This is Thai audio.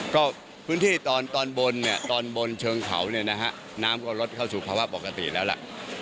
ก็พื้นที่ตอนตอนบนเนี่ยตอนบนเชิงเขาเนี่ยนะฮะน้ำก็ลดเข้าสู่ภาวะปกติแล้วล่ะ